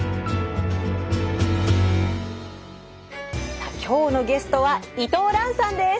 さあ今日のゲストは伊藤蘭さんです。